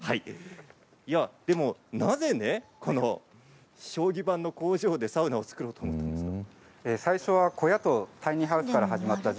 でも、なぜ将棋盤の工場でサウナを作ろうと思ったんですか。